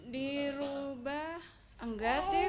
dirubah enggak sih